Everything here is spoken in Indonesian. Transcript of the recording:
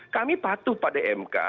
kami patuh pada mk